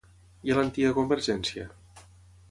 I a l'antiga Convergència?